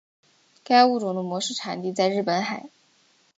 该物种的模式产地在日本海。